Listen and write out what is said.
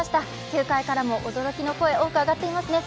球界からも驚きの声多く上がっていますね。